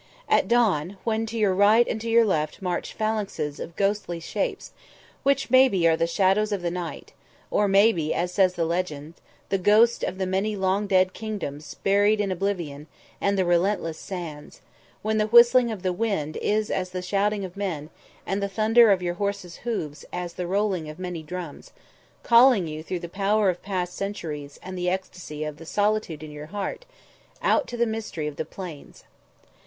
At dawn, when to your right and to your left march phalanxes of ghostly shapes, which maybe are the shadows of the night, or maybe, as says the legend, the ghosts of the many long dead kingdoms buried in oblivion and the relentless sands; when the whistling of the wind is as the shouting of men and the thunder of your horse's hoofs as the rolling of many drums, calling you through the power of past centuries and the ecstasy of the solitude in your heart, out to the mystery of the plains.